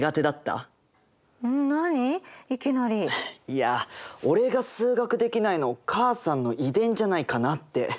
いや俺が数学できないの母さんの遺伝じゃないかなって。